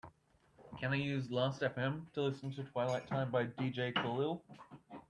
Can i use Lastfm to listen to Twilight Time by Dj Khalil?